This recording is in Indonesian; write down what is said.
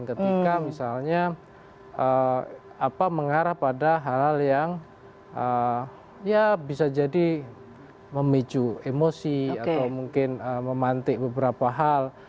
ketika misalnya mengarah pada hal hal yang ya bisa jadi memicu emosi atau mungkin memantik beberapa hal